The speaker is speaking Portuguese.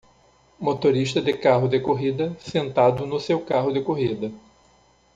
Motorista de carro de corrida sentado no seu carro de corrida